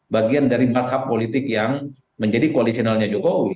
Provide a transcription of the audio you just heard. bagian dari mazhab politik yang menjadi koalisionalnya jokowi